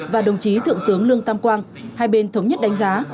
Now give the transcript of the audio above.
và đồng chí thượng tướng lương tam quang hai bên thống nhất đánh giá